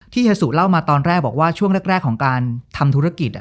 เฮียสุเล่ามาตอนแรกบอกว่าช่วงแรกของการทำธุรกิจ